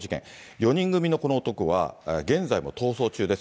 ４人組のこの男は、現在も逃走中です。